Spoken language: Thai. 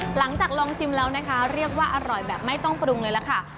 หลังจากลองชิมแล้วนะคะเรียกว่าอร่อยแบบไม่ต้องปรุงเลยล่ะค่ะ